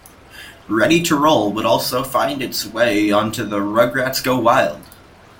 "Ready to Roll" would also find its way on to the "Rugrats Go Wild!